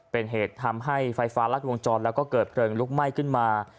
เป็นเหตุทำให้ไฟฟ้ารัดวงจรแล้วก็เกิดเพลิงลุกไหม้ขึ้นมา